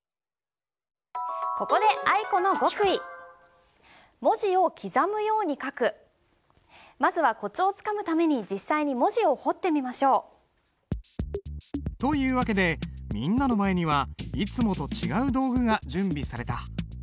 ここでまずはコツをつかむために実際に文字を彫ってみましょう。という訳でみんなの前にはいつもと違う道具が準備された。